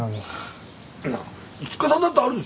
なあ塚さんだってあるでしょ？